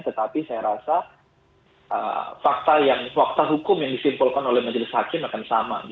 tetapi saya rasa fakta hukum yang disimpulkan oleh majelis hakim akan sama